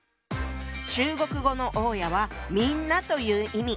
中国語の大家は「みんな」という意味。